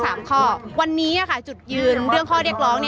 อย่างที่บอกไปว่าเรายังยึดในเรื่องของข้อเรียกร้อง๓ข้อ